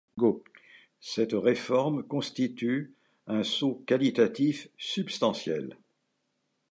Cette réforme constitue un saut qualitatif substantiel.